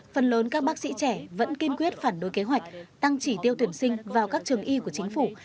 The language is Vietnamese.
phần lớn các bác sĩ trẻ vẫn kiên quyết phản đối kế hoạch tăng chỉ tiêu tuyển sinh vào các trường y của chính phủ